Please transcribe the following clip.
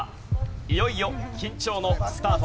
いよいよ緊張のスタート。